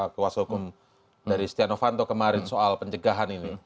kewasa hukum dari stiano vanto kemarin soal pencegahan ini